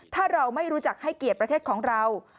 ถ้าเราไม่รู้จักให้เกียรติประเทศของเรา